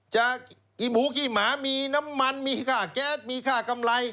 กินหมูขี้หมามีน้ำมันมีค่าแก๊สมีค่ากำไร